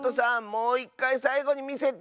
もういっかいさいごにみせて！